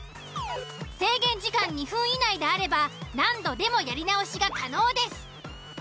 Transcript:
制限時間２分以内であれば何度でもやり直しが可能です。